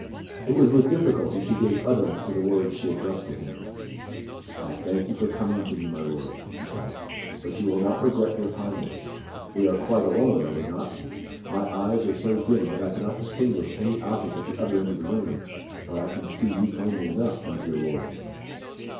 It was with difficulty she gave utterance to the words she addressed to him. "I thank you for coming to me, my Lord," she said; "but you will not regret your kindness. We are quite alone, are we not? My eyes are so dim that I cannot distinguish any object at the other end of the room but I can see you plainly enough, my dear Lord."